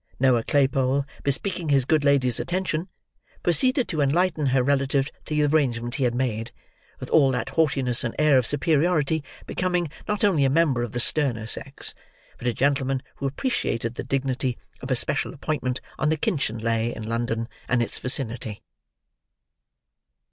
Noah Claypole, bespeaking his good lady's attention, proceeded to enlighten her relative to the arrangement he had made, with all that haughtiness and air of superiority, becoming, not only a member of the sterner sex, but a gentleman who appreciated the dignity of a special appointment on the kinchin lay, in London and its vicinity.